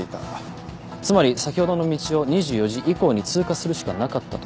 つまり先ほどの道を２４時以降に通過するしかなかったと。